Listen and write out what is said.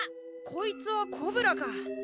こいつはコブラか。